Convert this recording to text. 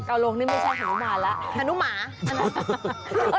เก่าลงนี่ไม่ใช่หันุมารแล้ว